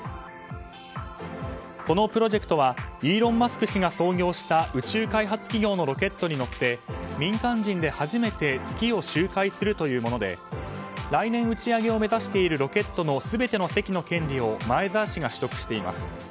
このプロジェクトはイーロン・マスク氏が創業した宇宙開発企業のロケットに乗って民間人で初めて月を周回するというもので来年打ち上げを目指しているロケットの全ての席の権利を前澤氏が取得しています。